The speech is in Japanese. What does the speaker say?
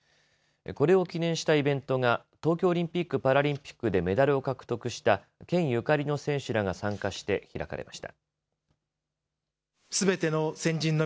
これを記念したイベントが東京オリンピック・パラリンピックでメダルを獲得した県ゆかりの選手らが参加して開かれました。